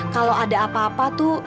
kalau ada apa apa tuh